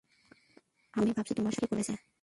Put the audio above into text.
আমি ভাবছি তোমার সাথে এটা কী করেছে।